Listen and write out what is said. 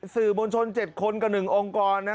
สื่อมวลชน๗คนกับ๑องค์กร